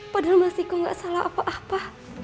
padahal mas iko gak salah apa apa